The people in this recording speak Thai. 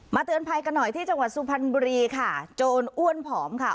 เตือนภัยกันหน่อยที่จังหวัดสุพรรณบุรีค่ะโจรอ้วนผอมค่ะ